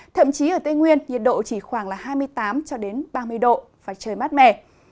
thậm chí ở tây nguyên nhiệt độ chỉ khoảng hai mươi tám ba mươi độ và trời mát mẻ